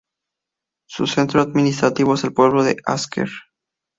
Su centro administrativo es el pueblo de Asker.